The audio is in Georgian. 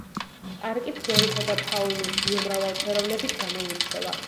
პარკი ფლორისა და ფაუნის ბიომრავალფეროვნებით გამოირჩევა.